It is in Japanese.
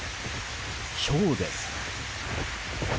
ひょうです。